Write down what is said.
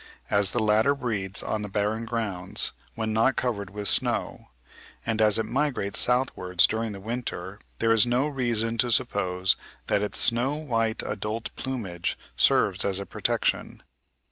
As the latter breeds on the "barren grounds," when not covered with snow, and as it migrates southward during the winter, there is no reason to suppose that its snow white adult plumage serves as a protection.